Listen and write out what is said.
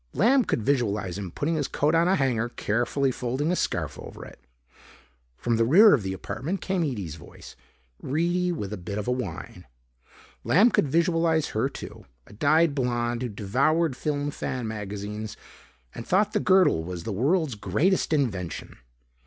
Lamb could visualize him putting his coat on a hanger, carefully folding a scarf over it. From the rear of the apartment came Ede's voice, reedy and with a bit of a whine. Lamb could visualize her too, a dyed blonde who devoured film fan magazines and thought the girdle was the world's greatest invention.